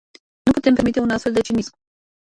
Nu putem permite un astfel de cinism.